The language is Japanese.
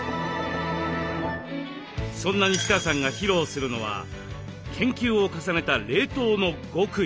そんな西川さんが披露するのは研究を重ねた冷凍の極意。